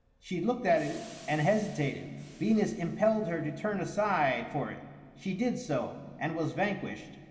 She looked at it, and hesitated; Venus impelled her to turn aside for it. She did so, and was vanquished.